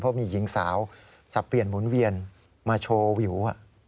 เพราะมีหญิงสาวสับเปลี่ยนหมุนเวียนมาโชว์วิว